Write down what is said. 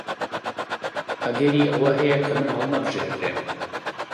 ئەگەری ئەوە هەیە کە من هەڵنەبژێردرێم.